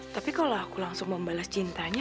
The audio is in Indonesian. tapi kalau aku langsung membalas cintanya